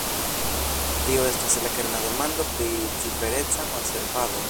Tio estas la kerna demando pri cifereca konservado.